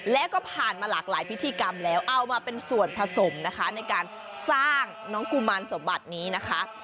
แล้วก็ผ่านมาหลากหลายพิธีกรรมแล้วเอามาเป็นส่วนผสมนะคะในการสร้างน้องกุมารสมบัตินี้นะคะ